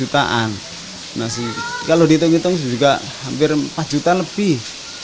kalau ditunggu tunggu juga hampir empat juta lebih